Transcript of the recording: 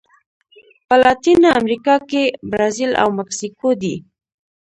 په لاتینه امریکا کې برازیل او مکسیکو دي.